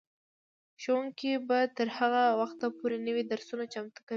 ښوونکي به تر هغه وخته پورې نوي درسونه چمتو کوي.